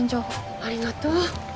ありがとう。